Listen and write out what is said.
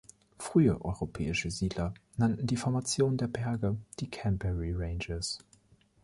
Frühe europäische Siedler nannten die Formation der Berge die Canberry Ranges.